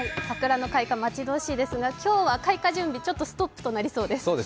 桜の開花、待ち遠しいですが、今日は開花準備ちょっとストップとなりそうです。